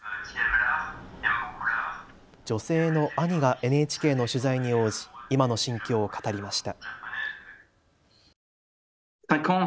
女性の兄がＮＨＫの取材に応じ今の心境を語りました。